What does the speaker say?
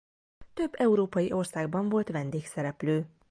Több európai országban volt vendégszereplő.